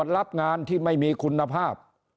รับงานที่ไม่มีคุณภาพ